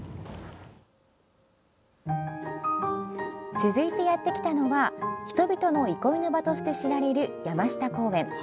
続いてやってきたのは人々の憩いの場として知られる山下公園。